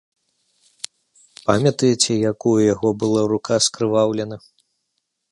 Памятаеце, як у яго была рука скрываўлена?